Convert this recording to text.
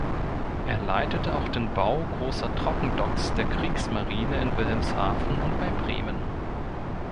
Er leitete auch den Bau großer Trockendocks der Kriegsmarine in Wilhelmshaven und bei Bremen.